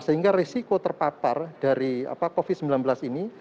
sehingga risiko terpapar dari covid sembilan belas ini